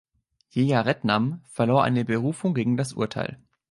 Jeyaretnam verlor eine Berufung gegen das Urteil.